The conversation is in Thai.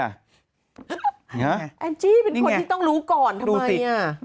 แองจี้เป็นคนที่ต้องรู้ก่อนทำไมอ่ะ